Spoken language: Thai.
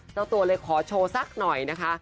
เจ้าตัวเลยขอโชว์สักหน่อยนะคะ